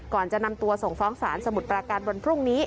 ก่อนจะนำตัวส่งฟ้องศาลสมุทรปราการวันพรุ่งนี้